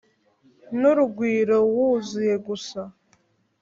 N'urugwiro wuzuye gusa